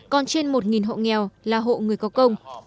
còn trên một hộ nghèo là hộ người có công